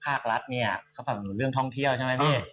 ภาครัฐนี้อ่ะสำหรับอยู่เรื่องท่องเที่ยวใช่มั้ยพี่